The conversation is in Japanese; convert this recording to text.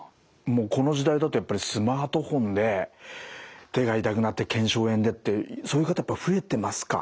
もうこの時代だとやっぱりスマートフォンで手が痛くなって腱鞘炎でってそういう方やっぱり増えてますか？